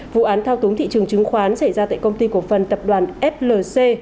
vụ án thao túng thị trường chứng khoán xảy ra tại công ty cổ phần tập đoàn flc